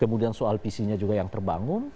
kemudian soal visinya juga yang terbangun